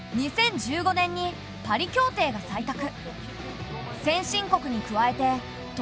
２０１５年にパリ協定が採択。